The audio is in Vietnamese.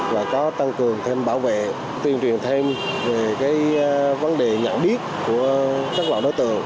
và có tăng cường thêm bảo vệ tuyên truyền thêm về vấn đề nhận biết của các loại đối tượng